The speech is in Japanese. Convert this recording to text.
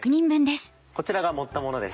こちらが盛ったものです。